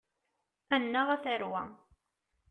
Annaɣ, a tarwa!